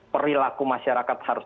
perilaku masyarakat harus